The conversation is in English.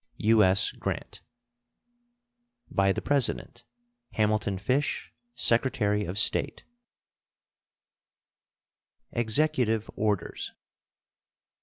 U.S. GRANT. By the President: HAMILTON FISH, Secretary of State. EXECUTIVE ORDERS.